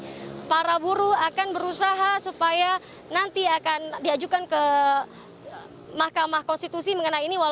jadi para buru akan berusaha supaya nanti akan diajukan ke mahkamah konstitusi mengenai ini